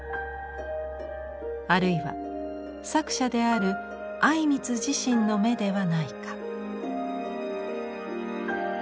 あるいは作者である靉光自身の眼ではないか。